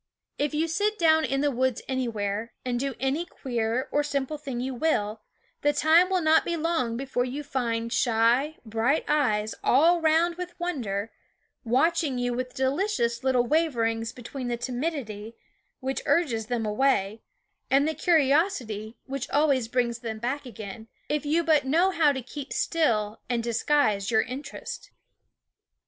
If you sit down in the woods anywhere, and do any queer or simple thing you will, the time will not k e } on g before you find shy bright eyes, all round with wonder, watching you with delicious little waverings between the timidity which urges them away and the curiosity which always brings them back again, if you but know how to keep still and disguise your interest.